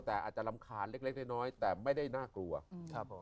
แต่อาจจะรำคาญเล็กเล็กน้อยแต่ไม่ได้น่ากลัวครับผม